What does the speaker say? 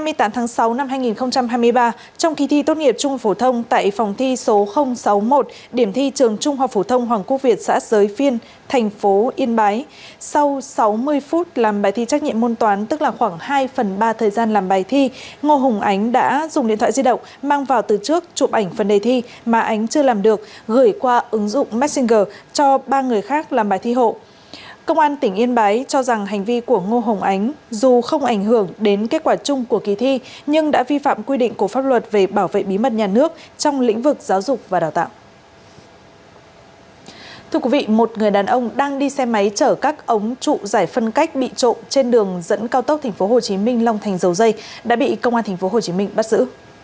một người đàn ông đang đi xe máy chở các ống trụ giải phân cách bị trộn trên đường dẫn cao tốc tp hcm long thành dầu dây đã bị công an tp hcm bắt giữ